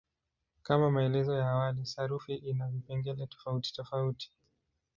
Kama maelezo ya awali, sarufi ina vipengele tofautitofauti.